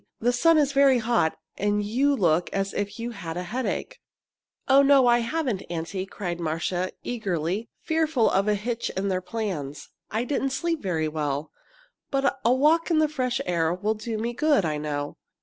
"The sun is very hot, and you look as if you had a headache." "Oh, no, I haven't, Aunty!" cried Marcia, eagerly, fearful of a hitch in their plans. "I didn't sleep very well, but a walk in the fresh air will do me good, I know."